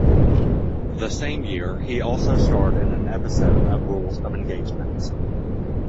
The same year, he also starred in an episode of "Rules of Engagement".